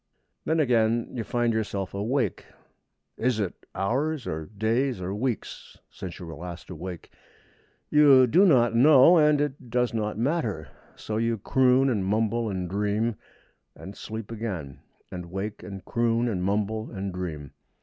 Then again you find yourself awake. Is it hours or days or weeks since you were last awake? You do not know, and it does not matter. So you croon, and mumble, and dream, and sleep again; and wake, and croon, and mumble, and dream.